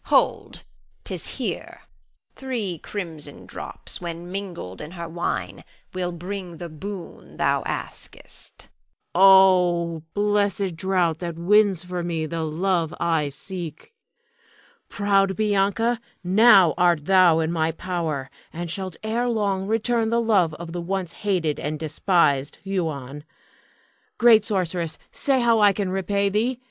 Hold! 'tis here, three crimson drops when mingled in her wine, will bring the boon thou askest [gives Huon a tiny phial]. Huon. Oh, blessed draught that wins for me the love I seek. Proud Bianca, now art thou in my power, and shalt ere long return the love of the once hated and despised Huon. Great sorceress, say how can I repay thee?